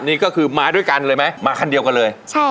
นี่ก็คือมาด้วยกันเลยไหมมาคันเดียวกันเลย